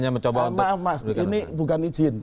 mohon maaf mas ini bukan izin